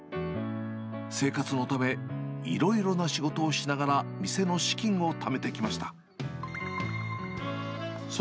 生活のため、いろいろな仕事をしながら店の資金をためてきました。